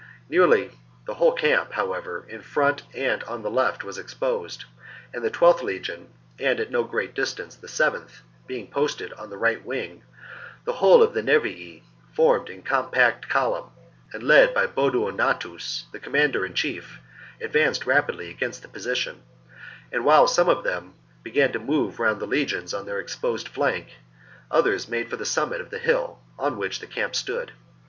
Nearly the whole camp, however, in front and on the left, was exposed ; and, the 12 th legion and at no great distance the 7th being posted on the right wing, the whole of the Nervii, formed in a compact column and led by Boduo gnatus, the commander in chief, advanced rapidly against the position ; and while some of them began to move round the legions on their ex posed flank, others made for the summit of the hill, on which the camp stood.